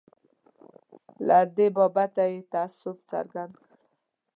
له دې بابته یې تأسف څرګند کړ.